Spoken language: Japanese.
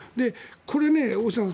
これ、大下さん